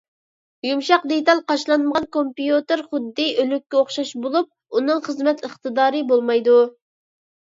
يۇمشاق دېتال قاچىلانمىغان كومپيۇتېر خۇددى ئۆلۈككە ئوخشاش بولۇپ، ئۇنىڭ خىزمەت ئىقتىدارى بولمايدۇ.